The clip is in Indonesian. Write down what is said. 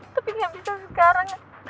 tapi gak bisa sekarang